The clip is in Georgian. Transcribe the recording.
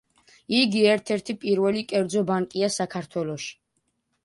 იგი ერთ–ერთი პირველი კერძო ბანკია საქართველოში.